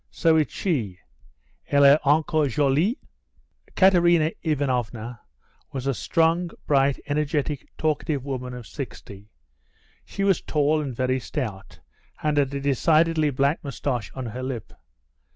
So it's she. Elle est encore jolie?" Katerina Ivanovna was a strong, bright, energetic, talkative woman of 60. She was tall and very stout, and had a decided black moustache on her lip.